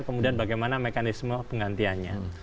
kemudian bagaimana mekanisme penggantiannya